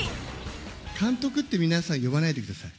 監督って皆さん、呼ばないでください。